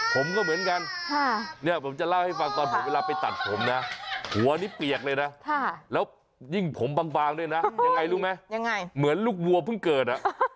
ผมก็เหมือนกันมาล่าวให้ฟังเวลาไปตัดผมนะหัวนี้เปียกเลยนะแล้วยิ่งผมบางอย่างไรรู้ไหมเหมือนลูกวัวพึ่งเกิด